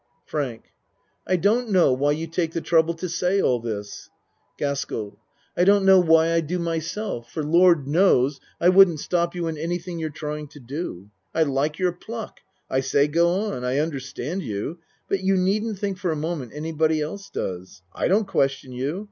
FRANK I don't know why you take the trouble to say all this. GASKELL I don't know why I do myself, for Lord knows, I wouldn't stop you in anything you're trying to do. I like your pluck. I say go on. I un derstand you but you needn't think for a mo ment anybody else does. I don't question you.